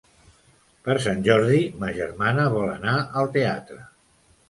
Per Sant Jordi ma germana vol anar al teatre.